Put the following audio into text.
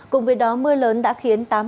cùng với đó mưa lớn đã khiến